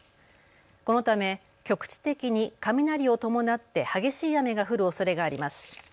このため局地的に雷を伴って激しい雨が降るおそれがあります。